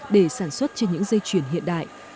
để sản xuất trên những dây chuyền hiện đại